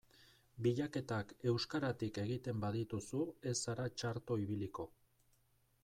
Bilaketak euskaratik egiten badituzu ez zara txarto ibiliko.